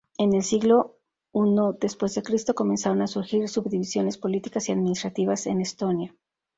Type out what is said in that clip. En el siglo I dC comenzaron a surgir subdivisiones políticas y administrativas en Estonia.